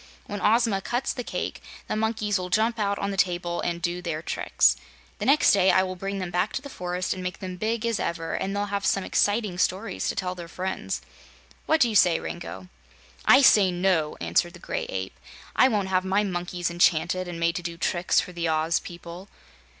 When Ozma cuts the cake the monkeys will jump out on to the table and do their tricks. The next day I will bring them back to the forest and make them big as ever, and they'll have some exciting stories to tell their friends. What do you say, Rango?" "I say no!" answered the Gray Ape. "I won't have my monkeys enchanted and made to do tricks for the Oz people."